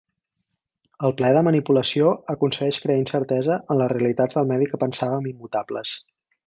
El plaer de manipulació aconsegueix crear incertesa en les realitats del medi que pensàvem immutables.